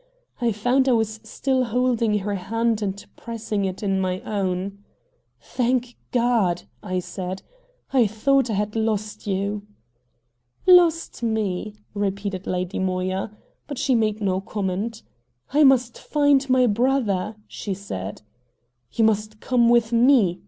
I found I was still holding her hand and pressing it in my own. "Thank God!" I said. "I thought I had lost you!" "Lost me!" repeated Lady Moya. But she made no comment. "I must find my brother," she said. "You must come with me!"